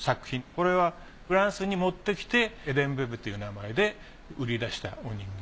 これはフランスに持ってきてエデン・ベベという名前で売り出したお人形。